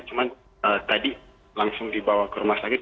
cuma tadi langsung dibawa ke rumah sakit